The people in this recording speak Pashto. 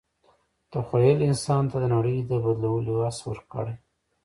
تخیل انسان ته د نړۍ د بدلولو وس ورکړی.